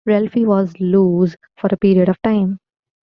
Ralphie was loose for a period of time.